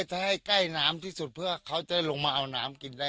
ถ้าให้ใกล้น้ำที่สุดเพื่อเขาจะลงมาเอาน้ำกินได้